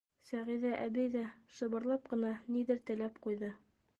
Сәғиҙә әбей ҙә шыбырлап ҡына ниҙер теләп ҡуйҙы.